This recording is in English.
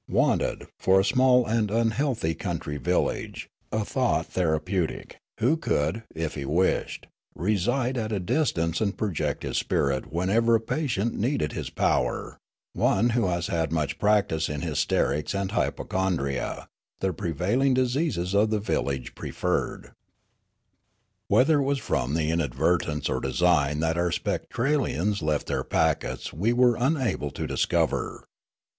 ' Wanted, for a small and unhealthy country village, a thought therapeutic, who could, if he wished, reside at a distance and project his spirit whenever a patient needed his power. One who has had much practice in hysterics and hypochondria, the prevailing diseases of the village, preferred.' " Whether it was from inadvertence or design that our Spectralians left their packets we were unable to discover.